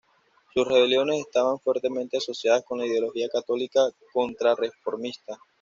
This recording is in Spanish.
Sus rebeliones estaban fuertemente asociadas con la ideología católica contrarreformista.